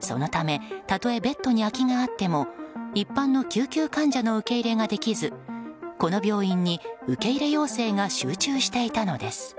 そのため、たとえベッドに空きがあっても一般の救急患者の受け入れができずこの病院に受け入れ要請が集中していたのです。